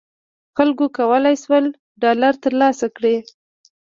خلکو کولای شول ډالر تر لاسه کړي.